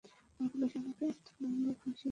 আর police আমাকে একটা মামলায় ফাঁসিয়ে দিলো।